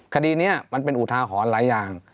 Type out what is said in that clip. คดีนี้มันเป็นอุทาหรณ์หลายอย่าง